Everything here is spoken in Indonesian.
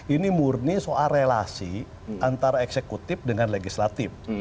ini murni soal relasi antara eksekutif dengan legislatif